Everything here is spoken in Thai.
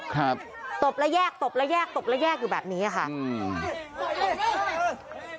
ครับตบแล้วแยกตบแล้วแยกตบแล้วแยกอยู่แบบนี้อ่ะค่ะอืม